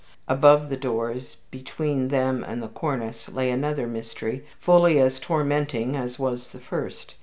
Above the doors, between them and the cornice, lay another mystery, fully as tormenting as was the first.